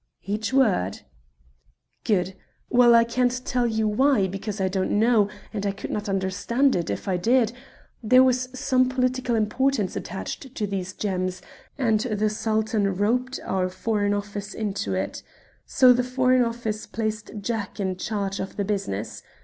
"Each word." "Good. Well I can't tell you why, because I don't know, and I could not understand it if I did there was some political importance attached to these gems, and the Sultan roped our Foreign Office into it. So the Foreign Office placed Jack in charge of the business.